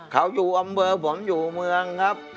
เขาอยู่อำเภอผมอยู่เมืองครับ